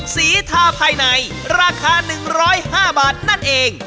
สีทาภายในราคา๑๐๕บาทนั่นเอง